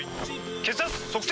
血圧測定！